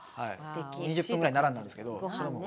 ２０分ぐらい並んだんですけど。